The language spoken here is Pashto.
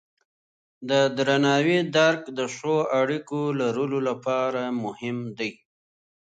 د درناوي درک د ښو اړیکو لرلو لپاره مهم دی.